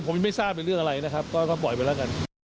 ผมยังไม่ทราบเป็นเรื่องอะไรนะครับก็ปล่อยไปแล้วกัน